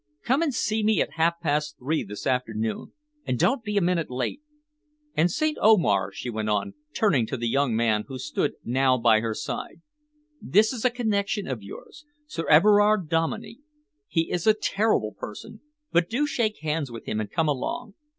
Come and see me at half past three this afternoon, and don't be a minute late. And, St. Omar," she went on, turning to the young man who stood now by her side, "this is a connection of yours Sir Everard Dominey. He is a terrible person, but do shake hands with him and come along.